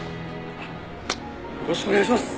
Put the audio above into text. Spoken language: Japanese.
よろしくお願いします！